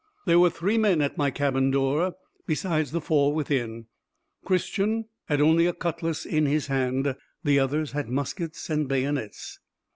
There were three men at my cabin door, besides the four within; Christian had only a cutlass in his hand, the others had muskets and bayonets.